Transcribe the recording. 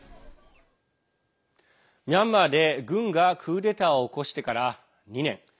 ミャンマーで、軍がクーデターを起こしてから２年。